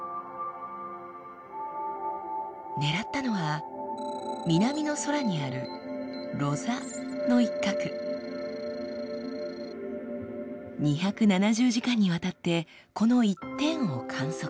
狙ったのは南の空にある２７０時間にわたってこの一点を観測。